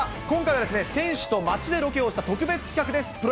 今回は、選手と街でロケをした特別企画です。